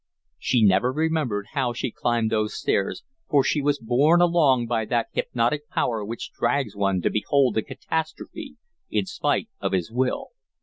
She never remembered how she climbed those stairs, for she was borne along by that hypnotic power which drags one to behold a catastrophe in spite of his will.